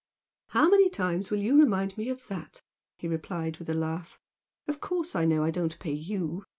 "How many times will you remind me of that!" he replied, with a laugh "Of course I know I don't pay YOU!